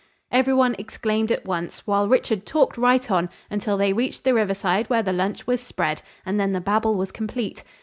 Every one exclaimed at once, while Richard talked right on, until they reached the riverside where the lunch was spread; and then the babble was complete.